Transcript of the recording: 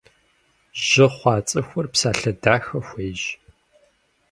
Жьы хъуа цӏыхур псалъэ дахэ хуейщ.